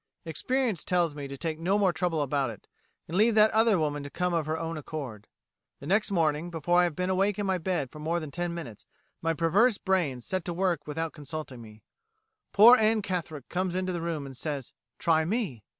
Experience tells me to take no more trouble about it, and leave that other woman to come of her own accord. The next morning before I have been awake in my bed for more than ten minutes, my perverse brains set to work without consulting me. Poor Anne Catherick comes into the room, and says 'Try me.'